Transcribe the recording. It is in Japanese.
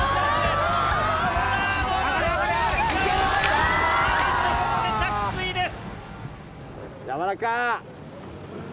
あっとここで着水です。